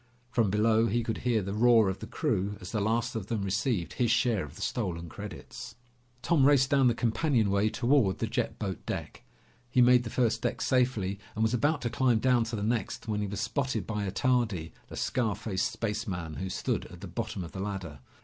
From below, he could hear the roar of the crew as the last of them received his share of the stolen credits. Tom raced down the companionway toward the jet boat deck. He made the first deck safely and was about to climb down to the next when he was spotted by Attardi, the scar faced spaceman, who stood at the bottom of the ladder.